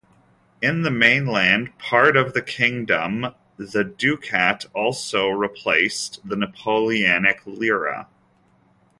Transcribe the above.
In the mainland part of the kingdom, the ducat also replaced the Napoleonic lira.